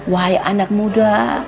wahai anak muda